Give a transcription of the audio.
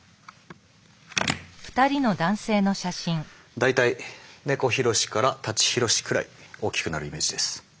大体猫ひろしから舘ひろしくらい大きくなるイメージです。